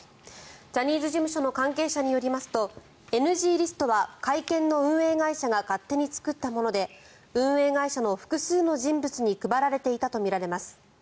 ジャニーズ事務所の関係者によりますとＮＧリストは会見の運営会社が勝手に作ったもので運営会社の複数の人物に配られていたとみられます。